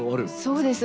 そうです。